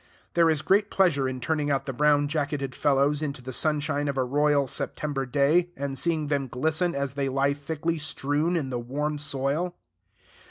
There is great pleasure in turning out the brown jacketed fellows into the sunshine of a royal September day, and seeing them glisten as they lie thickly strewn on the warm soil.